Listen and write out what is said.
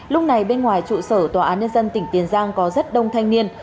lúc này bên ngoài trụ sở tòa án nhân dân tỉnh tiền giang có rất đông thanh niên